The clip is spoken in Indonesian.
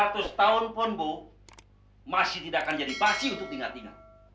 seratus tahun pun bu masih tidak akan jadi basi untuk tingah tingah